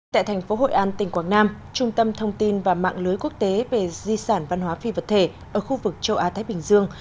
tại thành phố hội an tỉnh quảng nam trung tâm thông tin và mạng lưới quốc tế về di sản văn hóa phi vật thể ở khu vực châu á thái bình dương